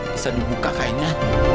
bisa dibuka kainnya